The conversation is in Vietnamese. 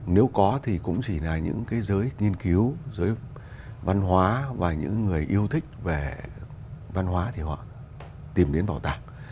nếu có thì cũng chỉ là những cái giới nghiên cứu giới văn hóa và những người yêu thích về văn hóa thì họ tìm đến bảo tàng